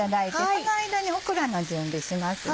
その間にオクラの準備しますね。